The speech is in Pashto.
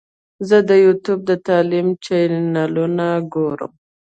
زه د یوټیوب د تعلیم چینلونه ګورم.